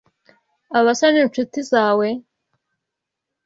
Abo basore ni inshuti zawe?